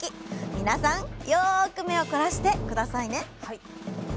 皆さんよく目を凝らして下さいね！